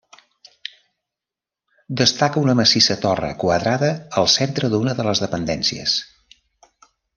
Destaca una massissa torre quadrada al centre d'una de les dependències.